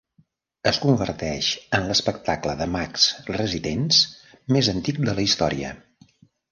Es converteix en l'"Espectacle de mags residents" més antic de la història.